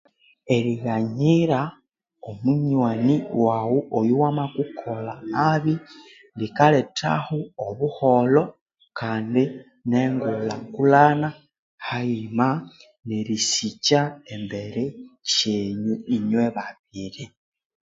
Erighanyira omunywani wawu oyuwamakukolha nabi likalethaho obuholho kandi ne ngulhakulhana hayima nerisikya embere syenyu inywe babiri.